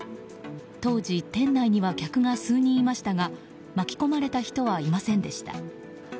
当時、店内には客が数人いましたが巻き込まれた人はいませんでした。